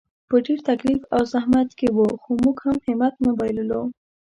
په ډېر تکلیف او زحمت کې وو، خو موږ هم همت نه بایللو.